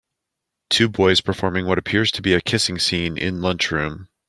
Two boys performing what appears to be a kissing scene in lunch room.